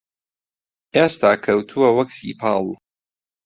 ئێستا کەوتووە وەک سیپاڵ